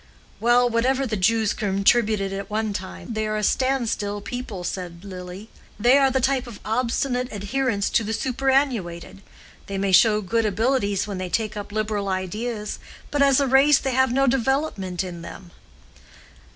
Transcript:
"Well, whatever the Jews contributed at one time, they are a stand still people," said Lily. "They are the type of obstinate adherence to the superannuated. They may show good abilities when they take up liberal ideas, but as a race they have no development in them."